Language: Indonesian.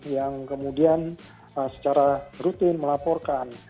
yang kemudian secara rutin melaporkan